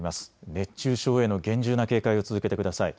熱中症への厳重な警戒を続けてください。